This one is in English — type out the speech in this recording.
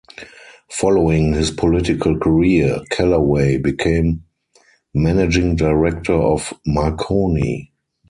Following his political career, Kellaway became Managing Director of Marconi.